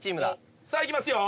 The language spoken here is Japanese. さあいきますよ。